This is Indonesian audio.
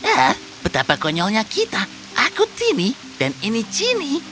ah betapa konyolnya kita aku chiny dan ini chiny